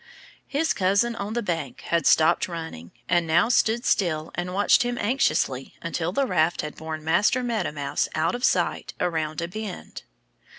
His cousin on the bank had stopped running and now stood still and watched him anxiously until the raft had borne Master Meadow Mouse out of sight around a bend.